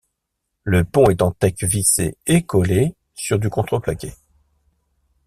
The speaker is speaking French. Le pont est en teck vissé et collé sur du contreplaqué.